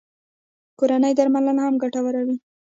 کورنۍ درملنه هم ګټوره وي